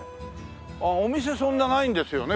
ああお店そんなないんですよね。